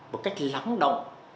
một cách lắng động